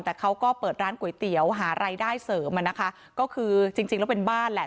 แต่เขาก็เปิดร้านก๋วยเตี๋ยวหารายได้เสริมอ่ะนะคะก็คือจริงจริงแล้วเป็นบ้านแหละ